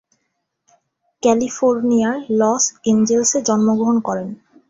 ক্যালিফোর্নিয়ার লস অ্যাঞ্জেলেসে জন্মগ্রহণ করেন।